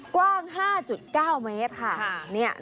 กว้าง๕๙เมตรค่ะ